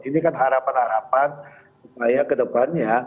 ini kan harapan harapan supaya kedepannya